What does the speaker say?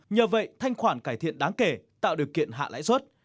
nhờ vậy thanh khoản cải thiện đáng kể tạo điều kiện hạ lãi suất